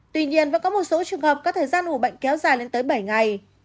tuy nhiên vẫn có một số trường hợp có thời gian ủ bệnh kéo dài lên tới bảy ngày